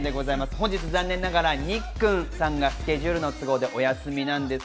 本日残念ながらニックンさんがスケジュールの都合でお休みです。